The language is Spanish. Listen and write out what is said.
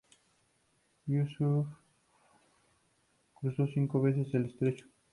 Yúsuf cruzó cinco veces el estrecho.